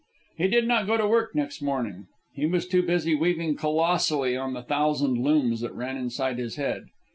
He did not go to work next morning. He was too busy weaving colossally on the thousand looms that ran inside his head.